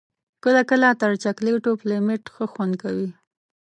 کله کله تر چاکلېټو پلمېټ ښه خوند کوي.